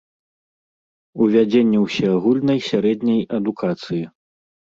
Увядзенне ўсеагульнай сярэдняй адукацыі.